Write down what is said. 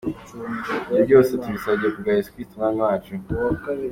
Ibyo byose tubisabye kubwa Yezu Kristu Umwami wacu.